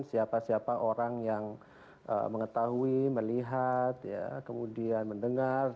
siapa siapa orang yang mengetahui melihat kemudian mendengar